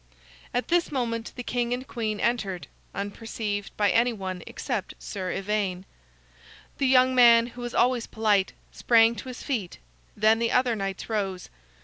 At this moment the king and the queen entered, unperceived by any one except Sir Ivaine. The young man, who was always polite, sprang to his feet; then the other knights rose.